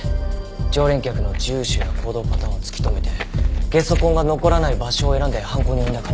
常連客の住所や行動パターンを突き止めてゲソ痕が残らない場所を選んで犯行に及んだ可能性がある。